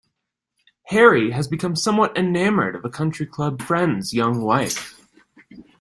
Harry has become somewhat enamored of a country-club friend's young wife.